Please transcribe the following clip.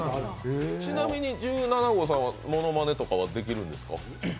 ちなみに１７号さんは、ものまねとかはできるんですか？